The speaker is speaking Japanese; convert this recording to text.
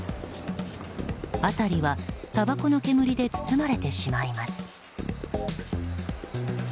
辺りは、たばこの煙で包まれてしまいます。